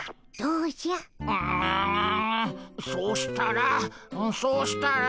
うううそうしたらそうしたら。